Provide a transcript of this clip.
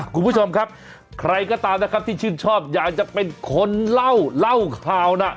คุณผู้ชมครับใครก็ตามนะครับที่ชื่นชอบอยากจะเป็นคนเล่าเล่าข่าวนะ